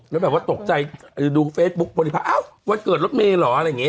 แล้วแบบว่าตกใจดูเฟซบุ๊คบริพัฒน์อ้าววันเกิดรถเมย์เหรออะไรอย่างนี้